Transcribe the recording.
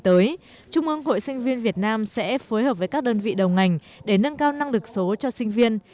trong thời gian tới trung ương hội sinh viên việt nam sẽ phối hợp với các đơn vị đầu ngành để nâng cao năng lực số cho sinh viên